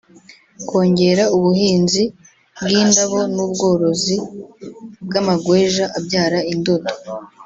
kongera ubuhinzi bw’indabo n’ubworozi bw’amagweja abyara indodo